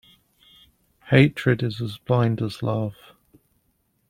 Hatred is as blind as love.